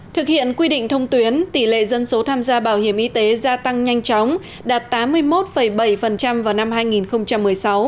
thực hiện quy định thông tuyến tỷ lệ dân số tham gia bảo hiểm y tế gia tăng nhanh chóng đạt tám mươi một bảy vào năm hai nghìn một mươi sáu